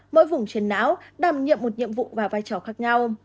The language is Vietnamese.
mỗi vùng triển não đảm nhiệm một nhiệm vụ và vai trò khác nhau